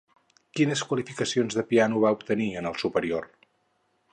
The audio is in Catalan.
Quines qualificacions de piano va obtenir en el superior?